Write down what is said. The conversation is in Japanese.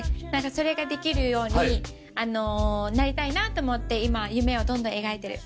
それができるようになりたいなって思って今夢をどんどん描いてる。